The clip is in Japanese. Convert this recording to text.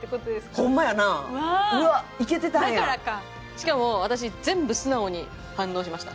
しかも私全部素直に反応しました。